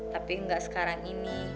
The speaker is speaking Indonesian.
tapi gak sekarang ini